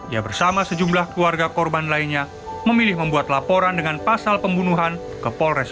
ia bersama sejumlah keluarga korban lainnya memilih membuat laporan dengan pasal pembunuhan ke polres